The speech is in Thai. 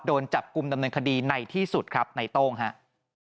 โดนจับกลุ่มดำเนินคดีในที่สุดครับในโต้งครับ